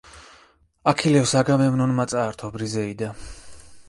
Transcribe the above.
აქილევსს აგამემნონმა წაართვა ბრიზეიდა.